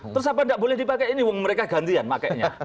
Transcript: terus apa tidak boleh dipakai ini mereka gantian makanya